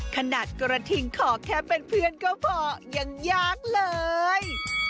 ขนาดกระทิงขอแค่เป็นเพื่อนก็พอยังยากเลย